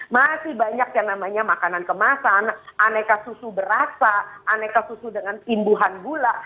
masih banyak yang namanya makanan kemasan aneka susu berasa aneka susu dengan imbuhan gula